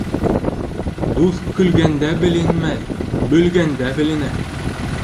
Дуҫ көлгәндә беленмәй, бөлгәндә беленә.